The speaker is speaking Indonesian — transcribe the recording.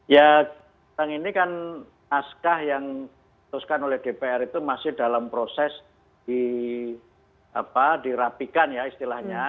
ya sekarang ini kan naskah yang teruskan oleh dpr itu masih dalam proses dirapikan ya istilahnya